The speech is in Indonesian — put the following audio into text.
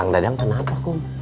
kang dadang kenapa kom